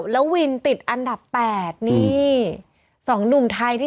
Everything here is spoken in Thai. แต่ออลล่าเด็ก๒คนเงี้ย